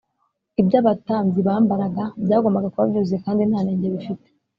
ibyo abatambyi bambaraga byagombaga kuba byuzuye kandi nta nenge bifite